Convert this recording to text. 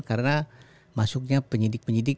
karena masuknya penyedik penyedik